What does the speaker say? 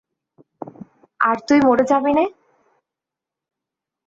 আর তুই মরে যাবি নে?